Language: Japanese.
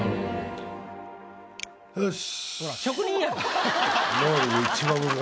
よし。